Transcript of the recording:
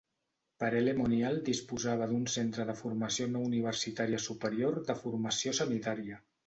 Paray-le-Monial disposava d'un centre de formació no universitària superior de formació sanitària.